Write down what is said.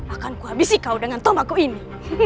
akanku habisi kau dengan tomaku ini